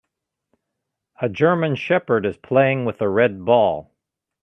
A German Shepherd is playing with a red ball